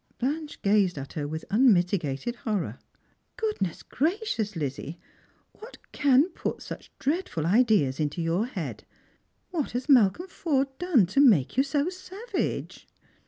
Blanche gazed at her \vith unmitigated horror. " Goodness gracious, Lizzie ! What can put such dreadful ideas into your head? _ Whai hos M.alcolm Forde done to make you so savage